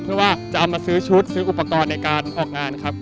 เพื่อว่าจะเอามาซื้อชุดซื้ออุปกรณ์ในการออกงานครับ